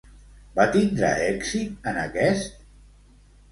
Va tindre èxit en aquest?